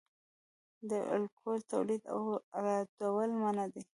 د الکول تولید او واردول منع دي